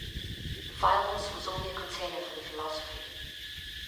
The violence was only a container for the philosophy.